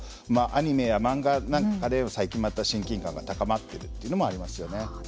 アニメや漫画なんかで最近また親近感が高まっているというのもありますよね。